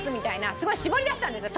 すごい絞り出したんですよ